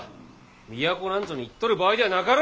都なんぞに行っとる場合ではなかろうが！